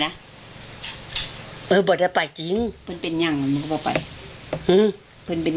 นะเออบอกจะไปจริงเพื่อนเป็นอย่างมันก็บอกไปเพื่อนเป็น